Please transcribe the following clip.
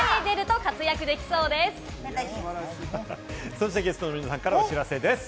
そしてゲストの皆さんからお知らせです。